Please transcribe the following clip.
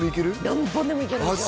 何本でもいけるんすよ